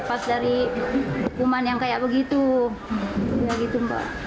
pertamanya saya takut